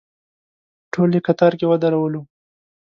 ټول یې کتار کې ودرولو.